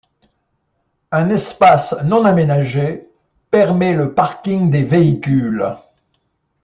Un espace non aménagé permet le parking des véhicules.